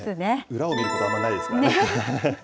裏を見ることはあんまりないですからね。